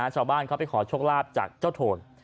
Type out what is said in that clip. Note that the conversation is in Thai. ชาวบ้านเขาไปขอโชคลาภจากเจ้าโทน